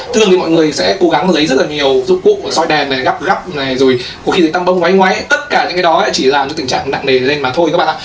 thường thì mọi người sẽ cố gắng lấy rất là nhiều dụng cụ xoay đèn này gắp gắp này rồi có khi lấy tăm bông ngoáy ngoáy tất cả những cái đó chỉ làm cho tình trạng nặng nề lên mà thôi các bạn ạ